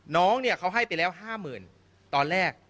รวมนี้เขาให้ไปแล้วห้าหมื่นตอนแรก